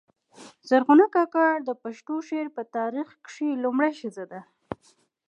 زرغونه کاکړه د پښتو شعر په تاریخ کښي دا لومړۍ ښځه ده.